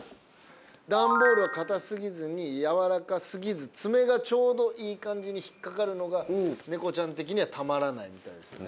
段ボールは硬過ぎずに柔らか過ぎず爪がちょうどいい感じに引っ掛かるのが猫ちゃん的にはたまらないみたいですね。